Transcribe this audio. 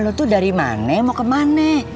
lu tuh dari mana mau kemana